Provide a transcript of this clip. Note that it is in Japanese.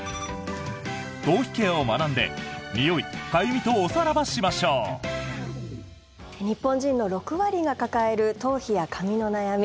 頭皮ケアを学んでにおい、かゆみとおさらばしましょう。日本人の６割が抱える頭皮や髪の悩み。